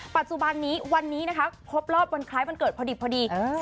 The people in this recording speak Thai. ปัจจุบันนี้วันนี้นะคะครบรอบวันคล้ายวันเกิดพอดี